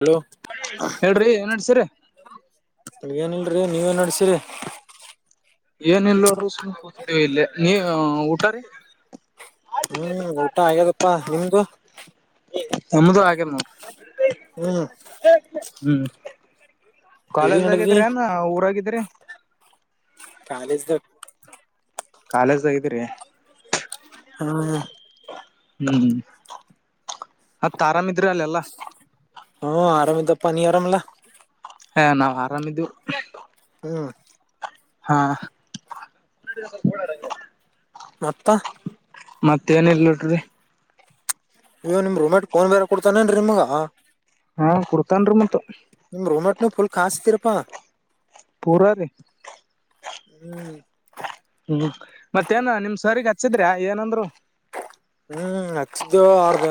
Hello ಹೇಳ್ರಿ ಏನ್ ನಡ್ಸಿರಿ ಏನಲ್ರಿ ನೀವೇನ್ ನಡ್ಸಿರಿ. ಏನ್ ಇಲ್ ನೋಡ್ರಿ ಸುಮ್ ಕೂತಿದೀವಿ ಇಲ್ಲೇ ನೀ ಊಟರಿ. ಹ್ಮ್ ಊಟ ಆ್ಯಗಿದಪ್ಪಾ ನಿಮ್ದು. ನಮ್ಮದು ಆಗೇದ ನೋಡ್ರಿ ಹ್ಮ್ [inaudible] ಹ್ಮ್. ಎಲ್ಲಿ ನಡದಿ ಕಾಲೇಜಾಗಿದ್ರನ್ ಊರಾಗಿದ್ರಿ. ಕಾಲೇಜ್ ದಾಗ್. ಕಾಲೇಜ್ದಾಗ್ದ್ರರಿ. ಹ್ಮ್ ಹ್ಮ್ ಮತ್ತ್ ಅರಾಮ್ ಇದೇರಿ ಅಲ್ಲ್ ಎಲ್ಲ. ಹ್ಮ್ ಆರಾಮ್ ಇದ್ದಪ್ಪ ನೀ ಆರಾಮ್ಲ್ಲಾ. ಎ ನಾವ್ ಆರಾಮಿದ್ದು. ಹ್ಮ. ಹಾ. ಮತ್ತ. ಮತ್ತೇಏನಲ್ರಿ. ಇವೋ ನಿಮ ರೂಮೆಟ್ ಫೋನ್ ಬೇರೆ ಕೊಡ್ತಾನೇನ್ರಿ ನಿಮ್ಗ. ಹಾ ಕೊಡ್ತಾನ್ ರೀ ಮತ್ತ. ನಿಮ್ ರೊಮಟ್ನ ಫುಲ್ ಕಾಸ್ತತಿರಪ್ಪಾ. ಪೂರ ರಿ. ಹ್ಮ್. ಹ್ಮ್ ಮತ್ತೇನ ನಿಮ್ ಸರ್ ಗೆ ಹಚ್ಚಿ ದ್ರ ಏನಂದ್ರು. ಹ್ಮ್ ಹಚ್ಚಿದ್ದ ಅವ್ರ್ದ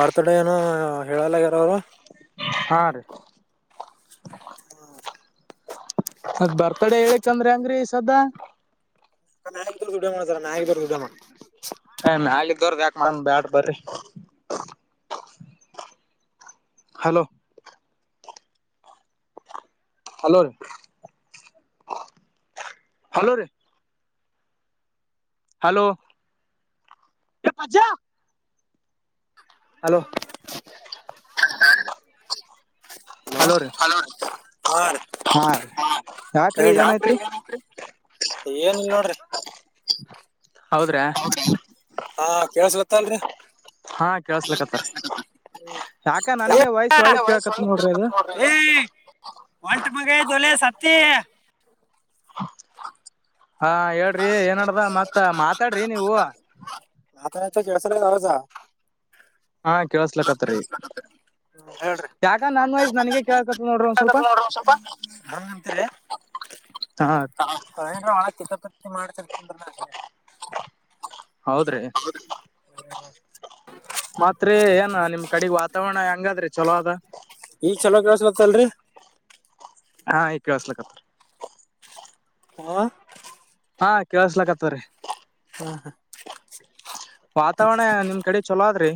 ಬರ್ತ್ ಡೇ ಏನ ಹೇಳಲಗರ ಅವರು. ಹಾ ರೀ. ಹ್ಮ. ಅದ್ ಬರ್ತಡೆ ಹೇಳಕ್ಂದ್ರಿ ಅಂಗ್ರಿ ಸದಾ. ನರು ಡ್ಡ ಮಾಡ ಸ ನಾಗರು ಡ್ಡೇ ಮಾಡ. ಏ ನಾಲಿದ್ದೋ್ರ ಯಾಕ ಮಾಡ ಬ್ಯಾಡ ಬರಿ. ಹಲೋ. ಹಲೋ ರೀ ಹಲೋ ರೀ. ಹಲೋ. ಎ ಮಚ್ಚಾ. ಹಲೋ. ಹಲೋ ರಿ ಹಾ ರೀ ಹಾ ರಿ. ಹೇಳ್ರಿ [unintelligible] ಏನ್ ಇಲ್ಲ ನೋಡ್ರಿ. ಹ. ಹೌದ ಹ ಕೇಳಸಲತ್ತ ಅಲ್ರಿ. ಹಾ ಹ್ಮ ಕೇಳಸ್ಲಕತ್ತಾರ ಯಾಕ ನನಗೆ ಒಳ್ಳಿ ಕೆಲ್ಸತಾರಿ ವಯಸ್ಸ ಕೇಳಕತ್ ಒ ನೋಡ್ರಿ ಅದು ಕೇಳ್ತ್ ನೋಡ್ರ. ಏ ಒಂಟ ಮಗ ಅದಿಲೆ ಸತ್ತಿ. ಹಾ ಹೇಳ್ರಿ ಏನಡ್ದ ಮತ್ ಮಾತಾಡ್ರಿ ನೀವು. ಆತ ಕೆಡಸಲಸಾ ಆವಾಸ. ಹಾ ಕೇಳಸ್ಲಕ್ಕತ್ರಿ. ಹ್ಮ್ ಹೇಳ್ರಿ. ಯಾಕ ನನ್ ವೈಸ್ ನನಗೆ. ಹಿಂಗೆ ಆತ್ ನೋಡ್ರಿ ಒಂದ ಸ್ವಲ್ಪ ಆಗತ್ ನೋಡ್ರಿ ಸ್ವಲ್ಪ ಹಂಗಂತೀರಿ ಹಾ ರಿ. ನಾನ್ ಏನರ ಒಣ ಕಿತಪತಿ ಮಾಡ್ತಿರ್ತನ ರಿ. ಹೌದ್ರಿ. [inaudible] ಮಾತ್ತ ರಿ ಏನ ನಿಮ್ ಕಡೆಗ್ ವಾತಾವರಣ ಹೆಂಗಾದ್ರಿ ಚಲೋ ಅದ. ಈಗ್ ಚಲೋ ಕೇಳ್ಸಲತ್ತಲ್ರರಿ. ಹಾಂ ಇಗ ಕೇಳಾಸಲ ಕ ತ್ತ ರಿ. ಹಾ. ಹಾ ಕೇಳಸ್ಲಕ್ಕತ್ವ್ರೀ. ಹಾ ಹಾ. ವಾತಾವರಣ ನಿಮ್ ಕಡೆ ಚಲೋ ಅದ್ರಿ.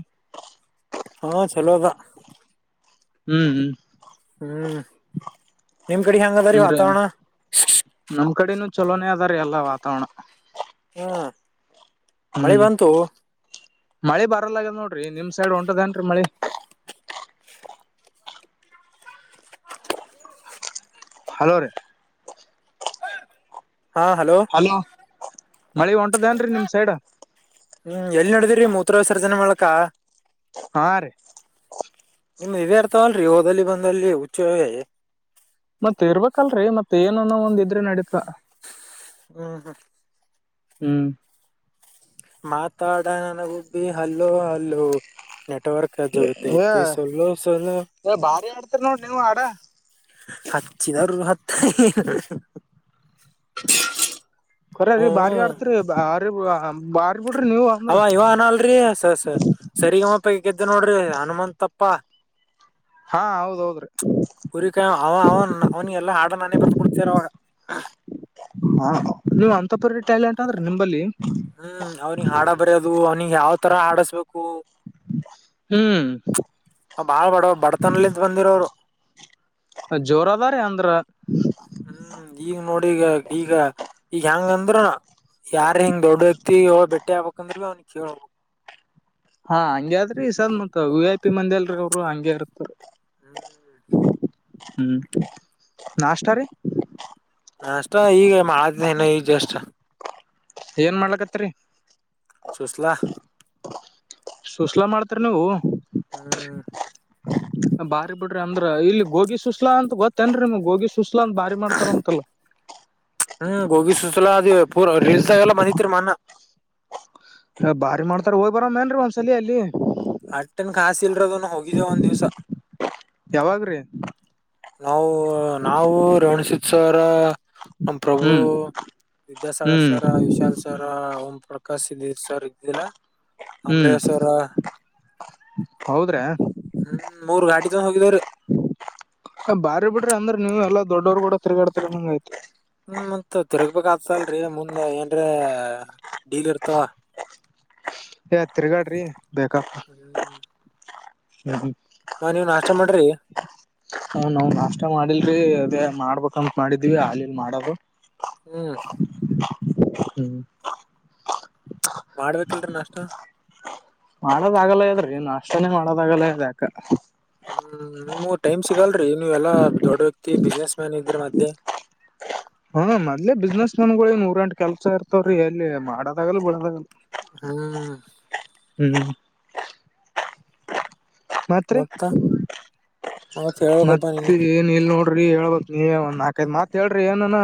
ಹಾ ಚಲೋ ಅದಾ. [inaudible] ಹ್ಮ್ ನಿಮ್ ಕಡೆ ಹೆಯಾಂಗ ಅದ ರೀ ಅಂದ್ರ ವಾತಾವರಣ. ನಮ್ ಕಡೆನೂ ಚಲೋನೇ ಅದಾರೆ ಎಲ್ಲ ವಾತಾವರಣ. [inaudible] ಹ್ಮ್ ಬಂತು ಮಳೆ ಬರಲ್ಲ ಆಗದ ನೋಡ್ರಿ ನಿಮ್ ಸೈಡ್ ಒಂಟದೇನ್ರಿ ಮಳಿ. ಹಲೋ ರೀ. ಹಾ ಹಲೋ. ಮಳಿ ಒಂಟದೇಏನ್ರಿ ನಿಮ್ ಸೈಡ್. ಹ್ಮ್ ಎಲ್ಲಿ ನಡದಿ್ರರಿ ಮೂತ್ರ ವಿಸರ್ಜನೆ ಮಾಡಲಕ. ಹಾ ರೀ. ನಿಮ್ ಇೇ ಇರ್ತಾವಲ್ರರಿ ಹಓದಲಿ ಬಂದಲ್ಲಿ. [inaudible] ಮತ್ ಇರ್ಬೇಕಲ್ರರಿ ಮತ್ ಏನ ಅನ್ನೋ ಒಂದ ಇದ್ರಿ ನಡೀತಾ. [inaudible] [inaudible] ಮಾತಾಡ ನನಗುಬ್ ಬಿ ಹಲ್ಲು ಹಲ್ಲು. [inaudible] [inaudible] ಏ ಬಾರಿ ಆಡ್ತೀರಿ ನೋಡ್ ನೀವು ಆಡ [inaudible] ಕೊರೀ ಬಾರಿ ಹ್ಮ್ ಆಡ್ತರಿ ಬಾರಿ ಬಾರಿ ಬಿಡ್ರಿ ನೀವ. ಅವ ಇವನ ಅಲ್ರರಿ ಸ ಸರಿಗಮ್ಮಪ್ಪ ಗೆದ್ದ ನೋಡ್ರಿ ಹನುಮಂತಪ್ಪಾ. ಹಾ ಹೌದ್ ಹೌದ್ರಿ. ಕುರಿಕ ಅವ ಅವನ್ ಅವನಗೆಲ್ಲ ಹಾಡ ನಾನೇ ಬರ್ದ ಕೊಡ್ತರ ಅವಾಗ. ಹಾ ನೀವ್ ಅಂತ ಪರೀ ಟ್ಯಾಲೆಂಟ್ ಅ ಆದ್ರೆ ನಿಂಬಲ್ಲಿ. ಹ್ಮ್ ಅವನಿಗ ಹಾಡ ಬರೋದು ಅವ್ನಿಿಗೆ ಯಾವ್ ತರ ಆಡಸ್ಬೇಕು. [inaudible] ಬಾಳ್ ಬಡವ ಬಡತನಲಿತ್ ಬಂದಿರೋ್ರು. ಜೋರ ಅದಾರೀ ಅಂದ್ರ. ಹ್ಮ್ ಈಗ ನೋಡಿ ಈಗ ಈಗ ಈಗ ಹೆಂಗಂದ್ರ. ಯಾರ್ ಹಿಂಗ ದೊಡ್ಡ ವ್ಯಕ್ತಿ ಇವ ಬೆಟ್ಟೆ ಆಗ್ಬೇಕಂದ್ರೆ ಅವನಿಗೆ ಕಳ್ಬೇಕು. ಹಾ ಹಂಗಗೆ ಆದ್ರಿ ಸದ ಮತ್ ವಿ ಐ ಪಿ ಮಂದಿ ಅಲ್ರೀ ಅವರು ಹಂಗಗೆ ಇರತ್. [inaudible] ಹ್ಮ್ ನಾಷ್ಟರಿ. ನಾ ಅಷ್ಟ ಈಗ ಮಾನ ಈಜ ಅಷ್ಟ. ಏನ್ ಮಾಡ್ಲಕತ್ರಿ. ಸುಸ್ಲಾ. ಸುಸ್ಲಾ ಮಾಡ್ತರಿ ನೀವು. [inaudible] ಬಾರಿ ಬಿಡ್ರಿ ಅಂದ್ರ ಇಲ್ಲಿ ಗೋಗಿ ಸುಸ್್ಲಾ ಅಂತ ಗೊತ್ತೇನ್ ನಿಮ ಗೋಗಿ ಸುಸ್ಲಾ ಅಂತ ಬಾರಿ ಮಾಡ್ತಾರ ಅಂತಲ್ಲ. ಹ್ಮ್ ಗೋಗಿ ಸುಸ್ಲ ಅದ ಪೂರ ರೀಲ್ಸದಾಗ ಎಲ್ಲಾ ಬಂದೈತ್ರಿ ಮೊನ್ನೆ. ಅ ಬಾರಿ ಮಾಡ್ತಾರ ಹೋಗ್ ಬರ ಮೇನ್ ಒಂದ್ಸಲ ಅಲ್ಲಿ. ಅಟ್ಟನ್ ಕಾಸಿ ಇಲ್ರೋದನು ಹೋಗಿದ್ದೇ ಒಂದ ದಿವ್ಸ. ಯಾವಾಗ್ರೀ. ನಾವು ನಾವು ರೇವಣಸಿದ್ದ ಸರ್. ನಮ್ಮ ಪ್ರಭು ಹ್ಮ್ ವಿದ್ಯಾಸಾಗರ್ ಹ್ಮ್ ಸರ್ ವಿಶಾಲ್ರ್. ಸರ ಓಂ ಪ್ರಕಾಶ ಸ್ಧೀರ್ ಸವರ್ಿಲ್ಲ. ಹ್ಮ್ ಅಂಬ್ರೇಶ್ವರ ಹೌದ್ರಾ ಹ್ಮ್ ಮೂರ್ ಗಾಡಿ ತೊಗೊಂಡು ಹೋಗಿದವ್ರೀ. ಹೆ ಬಾರಿ ಬಿಡ್ರಿ ಅಂದ್ರ ನೀವು ಎಲ್ಲಾ ದೊಡ್ಡವರ್ ಗೂಡ ತಿರ್ಗಾಡ್ತಿರಂದಂಗಾಯ್ತು. ಹ್ಮ್ ಮತ್ ತಿರ್ಗ್ಬೇಕ್ ಆತದಲ್ರೀ ಮುಂದ್ ಏನ್ರ ಡೀಲ್ ಇರ್ತವ. ಹೆ ತಿರ್ಗಾಡ್ರಿ ಬೇಕಂತ ಹ್ಮ್ ಹ್ಮ್ ಹ್ಮ್. ಹಾಂ ನೀವ್ ನಾಷ್ಟಾ ಮಾಡಿರಿ. ಹುಂ ನಾವ್ ನಾಷ್ಟಾ ಮಾಡಿಲ್ರಿ ಅದೇ ಮಾಡ್ಬೇಕಂತ ಮಾಡಿದಿವಿ ಆಲಿಲ್ ಮಾಡದು. ಹ್ಮ್ ಹ್ಮ್ ಮಾಡ್ಬೇಕಿಲ್ರೀ ನಾಷ್ಟಾ. ಮಾಡೋದಾಗಲಾಗೆದ್ರಿ ನಾಷ್ಟಾನೇ ಮಾಡೋದಾಗಲ್ಲಾಗೆದ ಯಾಕ. ಹ್ಮ್ ನಿಮುವ್ ಟೈಮ್ ಸಿಗಲ್ರಿ ನೀವ್ ಎಲ್ಲಾ ದೊಡ್ ವ್ಯಕ್ತಿ ಬಿಸ್ನೆಸ್ ಮ್ಯಾನ್ ಇದ್ರೀ ಮದ್ಲೆ. [inaudible] ಹುಂ ಮದ್ಲೆ ಬಿಸ್ನೆಸ್ ಮೆನ್ಗುಳಿಗೆ ನೂರಾಎಂಟ್ ಕೆಲ್ಸ ಇರ್ತವ್ರೀ ಎಲ್ಲಿ ಮಾಡೋದಾಗಲ್ಲ್ ಬಿಡದಾಗಲ್ಲ. ಹ್ಮ್ ಹ್ಮ್ ಮತ್ ರಿ ಮತ್ತ ಮತ್ ಹೇಳ್ಬೇಕಪ್ಪಾ ಮತ್ತ ನೀನೆ ಎ ನಿಲ್ ನೋಡ್ರಿ ಹೇಳ್ಬಕ್ ನೀವೆ ಒಂದ್ ನಾಕ್ ಐದು ಮಾತ್ ಹೇಳ್ರಿ ಏನನ.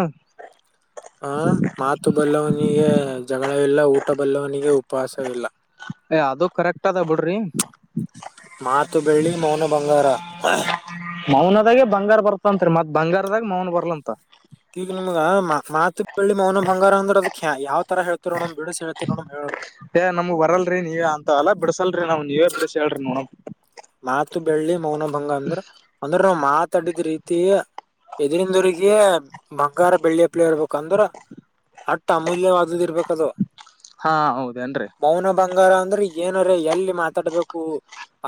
ಹಾಂ ಮಾತು ಬಲ್ಲವನಿಗೆ ಜಗಳವಿಲ್ಲ ಊಟ ಬಲ್ಲವನಿಗೆ ಉಪವಾಸವಿಲ್ಲ. ಹೆ ಅದು ಕರೆಕ್ಟ್ ಅದ ಬಿಡ್ರಿ. ಮಾತು ಬೆಳ್ಳಿ ಮೌನ ಬಂಗಾರ ಅಹ್. ಮೌನದಾಗೆ ಬಂಗಾರ ಬರ್ತಂತ್ರಿ ಮತ್ ಬಂಗಾರದಾಗ ಮೌನ ಬರ್ಲಂತ. ಈಗ ನಿಮ್ಗ ಮಾ ಮಾತು ಬೆಳ್ಳಿ ಮೌನ ಬಂಗಾರ ಅಂದ್ರ ಅದಕ ಯಾವ್ ತರ ಹೇಳ್ತಿರ್ನೋಡಮ್ ಬಿಡಿಸಿ ಹೇಳ್ತಿರ್ನೋಡಮ್ ಹೇಳೋರು. ಹೇ ನಮ್ಗ್ ಬರಲ್ರಿ ನೀವೇ ಅಂತವೆಲ್ಲ ಬಿಡಸಲ್ರಿ ನಾವು ನೀವೇ ಬಿಡಿಸಿ ಹೇಳ್ರಿ ನೋಡಮ್. ಮಾತು ಬೆಳ್ಳಿ ಮೌನ ಭಂಗ ಅಂದ್ರ ಅಂದ್ರ ನಾವ್ ಮಾತಾಡಿದ್ ರೀತಿ. ಎದರಿಂದರಿಗೆ ಬಂಗಾರ ಬೆಳ್ಳಿ ಅಪ್ಲೈ ಇರ್ಬೇಕಂದ್ರ. ಅಟ್ಟ ಅಮೂಲ್ಯವಾದುದ್ ಇರ್ಬೇಕದು. ಹಾಂ ಹೌದೇನ್ರಿ. ಮೌನ ಬಂಗಾರ ಅಂದ್ರ ಏನಾರ ಎಲ್ಲಿ ಮಾತಾಡಬೇಕು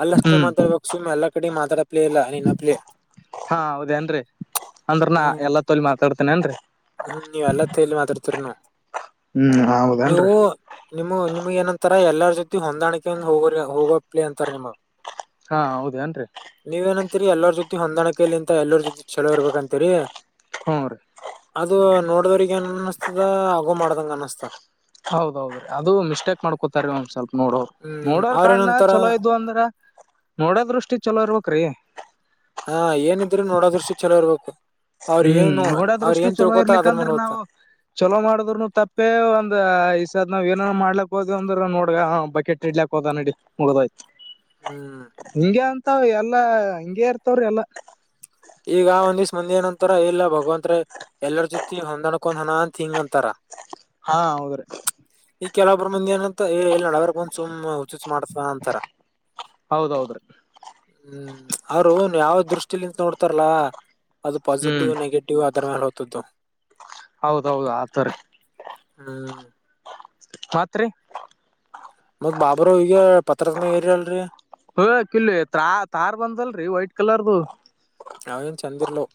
ಅದ್ ಲ್ ಅಷ್ಟೆ ಹ್ಮ್ ಮಾತಾಡ್ಬೇಕು ಸುಮ್ ಎಲ್ಲಾಕಡಿ ಮಾತಡಪಲೇ ಇಲ್ಲ ನಿನ್ನಪಲೇ. ಹಾಂ ಹೌದೇನ್ರಿ ಅಂದ್ರ ನಾ ಹ್ಮ್ ಎಲ್ಲಾ ತೋಲಿ ಮಾತಾಡ್ತಿನೇನ್ರಿ. ಹ್ಮ್ ನೀವ್ ಎಲ್ಲತ್ತೇಲ್ಲಿ ಮಾತಾಡ್ತಿರ್ನೊ ಹ್ಮ್ ನೀವು. ಹೌದೇನ್ರಿ ನಿಮು ನಿಮಗ್ ಏನಂತಾರ ಎಲ್ಲಾರ್ ಜೊತೆ ಹೊಂದಾಣಿಕೆ ಇಂದ ಹೋಗ ಹೋಗೋಪ್ಲಿ ಅಂತಾರ ನಿಮಗ್. ಹಾಂ ಹೌದೇನ್ರಿ. ನೀವ್ ಏನಂತೀರಿ ಎಲ್ಲರ ಜೊತಿ ಹೊಂದಾಣಿಕೈಲಿಂತ ಎಲ್ಲರ ಜೊತಿ ಚಲೋ ಇರ್ಬೇಕಂತೀರಿ. ಹುಂ ರಿ. ಅದು ನೋಡದವ್ರಿಗೆ ಏನ್ ಅನಸ್ತದ ಅಗೋ ಮಾಡ್ದಂಗ ಅನಸ್ತ. ಹೌದೌದ್ರೀ ಅದು ಮಿಸ್ಟೇಕ್ ಮಾಡ್ಕೊತಾರ ಒಂದ್ ಸ್ವಲ್ಪ್ ನೋಡೋರ್ ಹ್ಮ್ ನೋಡೋರ್ ಅವ್ರ ಕಣ್ಣ ಏನಂತಾರ ಚೊಲೋ ಇದ್ವುಂದ್ರ. ನೋಡೋ ದೃಷ್ಟಿ ಚೊಲೋ ಇರ್ಬೇಕ್ರೀ. ಹಾಂ ಏನಿದ್ರು ನೋಡೋದ್ರುಷ್ಟಿ ಚಲೋ ಇರ್ಬೇಕು ಅವ್ರ ಹ್ಮ್ ಏನ್ ನೋಡ ಅವ್ರ ಏನ್ ತಿಳ್ಕೋತರ್ ಅದ್ರ ಮೇಲೆ ಹೋಗ್ತದ. ಚೊಲೊ ಮಾಡಿದ್ರುನು ತಪ್ಪೇ ಒಂದ್ ದ ಈ ಸದ್ ನಾವ್ ಏನ ಮಾಡ್ಲಕ್ ಹೋದ್ವೆಂದ್ರೆ ನೋಡ್ಗ ಅವ ಬಕೆಟ್ ಇಡ್ಲಕೋದ ನಡಿ ಮುಗದೊಯ್ತ. ಹ್ಮ್ ಹಿಂಗೆ ಅಂತವ್ ಎಲ್ಲಾ ಹಿಂಗೆ ಇರ್ತಾವ್ರಿ ಎಲ್ಲಾ. ಈಗ ಒಂದಿಸ್ ಮಂದಿ ಏನ್ ಅಂತಾರ ಇಲ್ಲ ಭಗವಂತರ ಎಲ್ಲರ ಜೊತಿ ಹೊಂದಾಣ್ಕೊಂದಾನ ಅಂತ ಹಿಂಗ್ ಅಂತಾರ. ಹಾಂ ಹೌದ್ರಿ. ಚ್ ಈಗ್ ಕೆಲವೊಬ್ರು ಮಂದಿ ಏನಂತ ಏ ಎಲ್ಲಿ ನಡಬರಕ ಬಂದ ಸುಮ್ ಹುಚುಚ್ ಮಾಡ್ತಾ ಅಂತಾರ. ಹೌದೌದ್ರಿ. ಹ್ಮ್ ಅವ್ರು ಯಾವ ದೃಷ್ಟಿಲಿಂದ ನೋಡ್ತಾರಲ್ಲಾ ಅದು ಹ್ಮ್ ಪಾಸಿಟಿವ್ ನೆಗೆಟಿವ್ ಡೀವ ಅದರ ಮ್ಯಾಲ ಓತದತೊ ಹೌದೌದು ಆತವರೀ ಹ್ಮ್ ಮತ್ರಿ ಮತ್ತ ಬಾಬುರಾವ್ ಈಗೆ ಪತ್ರಸ ಮ್ಯಾಗ ಇರಿ ಅಲ್ರರಿ ಹ ಕಿಲಿ ತಾ ತಾರ್ ಬಂದದಲ್ರರಿ ವೈಟ್ ಕಲರ್ದು ಆವ್ ಏನ್ ಚಂದಿರಲ್ಲವ್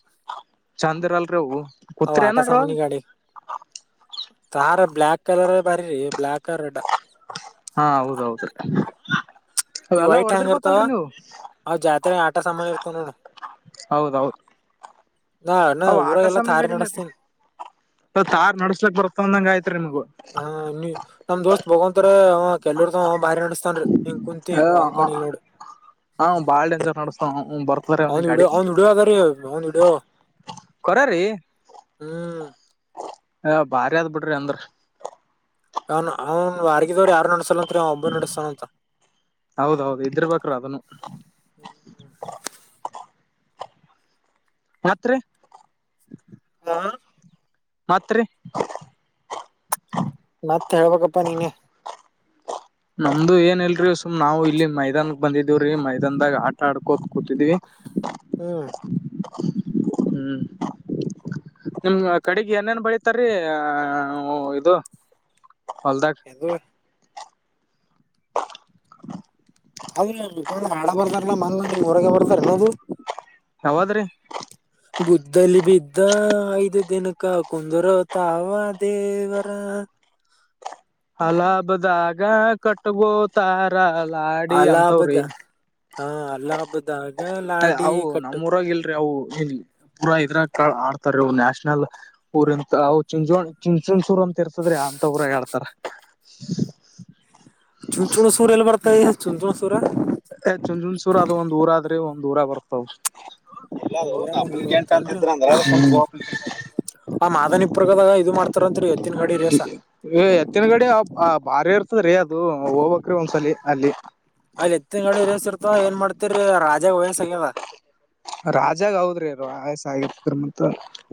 ಚಂದ್ ಇರಲ್ಲಲ್ರಿ ಅವು ಅವ್ ಆಟ ಕೂತಿರೇನ ಅದರೊಳಗ ಸಾಮಾನಿ ಗಾಡಿ ತಾರ ಬ್ಲ್ಯಾಕ್ ಕಲರ್ ಬಾರಿರಿ ಬ್ಲಾಕ್ ರೆಡ್ ಹಾ ಹೌದೌದು ಈ ವೈಟ್ ಹ್ಯಾಂಗ್ ಇರ್ತಾವ ಅವ್ ಜಾತ್ರೆನ ಆಟ ಸಾಮಾನಿ ಇರ್ತವ ನೋಡ್ ಹೌದೌದ್ ನಾ ನಾ ಅವು ಆಟ ಊರಾಗ ಎಲ್ಲಾ ಸಾಮನಿ ತಾರಿ ಗಾಡಿನೇ ನಡಸ್ತೀನ್ ತಾರ್ ನಡ್ಸ್ಲಕ್ ಬರ್ತಂದಂಗ ಆಯ್ತ್ರಿ ನಿಮ್ಗು ಹ ನೀ ನಮ್ ದೋಸ್ತ್ ಬಗವಂತರೆ ಅವ ಕೆಲುರದವ ಅವ್ ಬಾರಿ ನಡಸ್ತನ್ರೀ ಕುಂತಿ ಹಿಂಗ ವಂಕಡೆ ನೋಡ್ ಅವ್ ಬಾಳ್ ಡೆಂಜರ್ ನಡಸ್ತಾನ ಅವನಿಗ ಬರ್ತದರಿ ಅವ್ನಿಗ ಗಾಡಿ ಹೆಂಗ ಅದ ರೀ ಅವನದ್ ವಿಡಯೋ ಕರೆ ರೀ ಹ್ಮ್ ಏ ಬಾರಿ ಆದ್ ಬುಡ್ರಿ ಅಂದ್ರ ಅವನ್ ಅವ್ನ್ ವಾರಗಿದವ್ರು ಯಾರ ನಡಸಲಂತ್ರಿ ಅವ್ ಒಬ್ಬ ನಡಸ್ಸಾತನ ಅಂತ ಹೌದೌದು ಇದ್ರಿಬೇಕ್ರಿ ಅದನು ಮತ್ರಿ ಹ್ ಮತ್ರಿ ಮತ್ತ್ ಹೇಳ್ಬೇಕಪ್ಪಾ ನೀನೆ ನಮ್ದು ಏನ್ಲಿರೀ ಸುಮ್ ನಾವು ಇಲ್ಲಿ ಮೈದಾನಕ್ ಬಂದಿದೀವ್ರೀ ಮೈದಾನದಾಗ ಆಟ ಆಡ್ಕೋತ ಕೂತಿದ್ವಿ ಹ್ಮ ಹ್ಮ್ ನಿಮ್ ಕಡಿಗಿ ಏನೇನ್ ಬೆಳಿತಾರೀ ಆ ಇದು ಹೊಲ್ದಾಗ ಇದು ಅದು ಹಾಡ್ ಬರ್ದಾರಲ್ಲಾ ಮನಿ ನಿಮ್ಮ ಊರಗೆ ಬರದಾರೇನದು ಎವದ್ರಿ [inaudible] ಗುದ್ದಲಿ ಬಿದ್ದ ಐದು ದಿನಕ್ಕ ಕುಂದರ ತಾವ ದೇವರ್ ಅಲ್ಲೈ ಹಬ್ಬದಾಗ ಕಟ್ಗೋತಾರ ಲಾಡಿ ಅಲಾಬದ ಅಂತವ್ರಿ ಹಾ ಅಲಾಬದಾಗ ಏ ಲಾಡಿ ಅವು ಕಟ್ಟು ನಮ್ಮ ಊರಾಗಿಲ್ರಿ ಅವು ನಿ ಪೂರ ಇದ್ರಾಗ ಕ ಆಡ್ತಾರ್ ನ್ಯಾಷನಲ್ ಊರಿಂತವು ಚಿಂಚೋಣ್ ಚಿಂಚ್ಸೂರ್ ಅಂತ ಇರ್ತದ್ರಿ ಅಂತ ಊರಗ ಹಾಡ್ತರ್ [inaudible] ಚುಂಚುಣಸೂರ ಎಲ್ಲ ಬರ್ತವಿಗ ಚುಂಚುಣಸೂರ ಏ ಚುಂಚುಣಸೂರ್ ಅದು ಒಂದ್ ಊರ ಆದ್ರಿ ಒಂದ್ ಊರಗ ಬರ್ತದ್ ಇಲ್ಲ ನಮ್ ಅದು ಊರಾಗ ಒಂದ್ ಐದ್ ಅಪ್ಲಿಕೆಂಟ ಅಂತ ಬರ್ತೇನ್ರಿ ಇದ್ರ ಅಂದ್ರ ಅದು ಆ ಮಾದನಿಪ್ರಗದಾಗ ಇದು ಮಾಡ್ತ ಇತ್ರಂತ್ರಿ ಎತ್ತಿನ ಗಾಡಿರೀ ಎ ಎತ್ತಿನ ಗಾಡೆ ಬಾರಿ ಇರ್ತದ್ರೀ ಅದು ಹೋಗಬಕ್ರೀ ಒಂದ್ಸಲಿ ಅಲ್ಲಿ. ಅಲ್ಲಿ ಎತ್ತಿನ ಹೇಳಿ ಇರಿಸ್ ಇರ್ತ ಏನ್ ಮಾಡ್ತಿರಿ ರಾಜಾಗ ವಯಸ್ ಆಗ್ಯದ. ರಾಜಾಗ ಹೌದ್ರಿ ರಾಯಸ್ ಆಗೇತ್ಕರ ಮ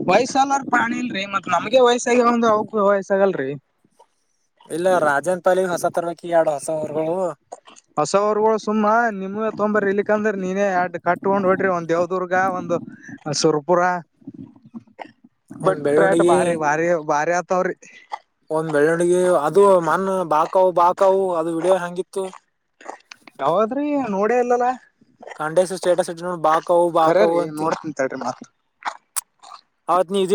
ವಯಸ್ಸಲ್ಲರ ಪ್ರಾಣಿ ಇಲ್ರಿ ಮತ್ತ ನಮ್ಗೆ ವಯಸ್ಸಾಗ ಒಂದ್ ಅವಕ ವಯಸ್ಸಾಗಲ್ರಿ. ಇಲ್ಲ ರಾಜೇನ್ ಪಲ್ಗ್ ಹೊಸ ತರ್ಬೇಕಿ ಎಡ ಹೊಸ ಹೊರಗಳ ಹೊಸವ್ರಗಳು ಸುಮ್ಮ ನಿಮೇ ತೊಂಬರ ಇಲಿಕಂದ್ರ ನೀನೇ ಅಡ್ ಕಟ್ಕೊಂಡ ಹೊಡ್ರಿ ಒಂದ ಯಾವ್ದ್ರ ಗ ಒಂದು ಸುರ್ಪುರ ಒಂದ್ ಬಟ್ರ ಬೆಳ್ಳುಂಡಗಿ ಭಾರಿ ಭಾರಿ ಭಾರಿ ಆತವ್ರಿ. ಒಂದ ಬೆಳ್ಳುಣಗಿ ಅದು ಮನ್ ಬಾಕಾವ ಬಾಕಾವ ಅದು ವಿಡಿಯೋ ಹೆಂಗಿತ್ತು. ಯಾವದ್ರಿ ನೋಡೇ ಇಲ್ಲಲ್ಲಾ. ಖಂಡಸ ಸ್ಟೇಟಸ್ ಇಟ್ಟ ನೋ ಬಾಕವು ಬಾಕವು ಖರೇರಿ ಅಂತ. ನೋಡ್ತೀನಿ ತಡ್ರಿ ಮತ್ತ. ಅವತ್ತ ನೀ ಇದ